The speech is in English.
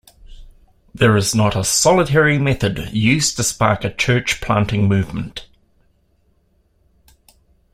There is not a solitary method used to spark a church planting movement.